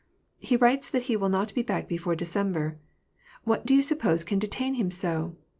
"He writes that he will not be back before December. What do you suppose can detain him so